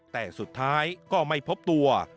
แต่สุดท้ายก็ไม่พบตัว